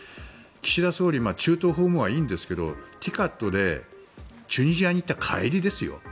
岸田総理中東訪問はいいんですけどＴＩＣＡＤでチュニジアに行った帰りですよ。